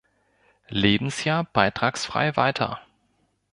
Lebensjahr beitragsfrei weiter.